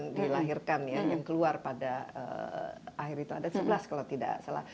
yang dilahirkan ya yang keluar pada akhir itu ada sebelas kalau tidak salah